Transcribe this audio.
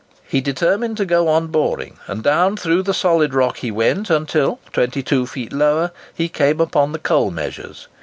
He determined to go on boring; and down through the solid rock he went until, twenty two feet lower, he came upon the coal measures.